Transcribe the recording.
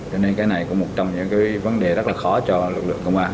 cho nên cái này cũng là một trong những vấn đề rất là khó cho lực lượng công an